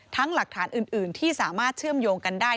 หลักฐานอื่นที่สามารถเชื่อมโยงกันได้